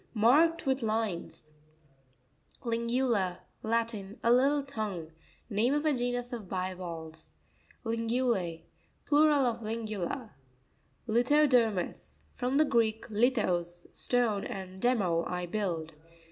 — Marked with lines. Lr'neuta.—Latin. A little tongue. aa of a genus of bivalves (page 9). Li' nevLa2.—Plural of Lingula. Lirno'pomus. — From the Greek, lithos, stone, and demé, I build.